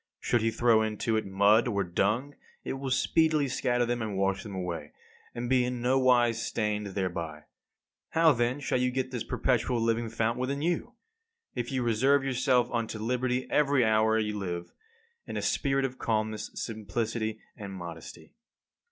Should he throw into it mud or dung, it will speedily scatter them and wash them away, and be in nowise stained thereby. How then shall you get this perpetual living fount within you? If you reserve yourself unto liberty every hour you live, in a spirit of calmness, simplicity, and modesty.